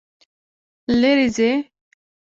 لیرې ځئ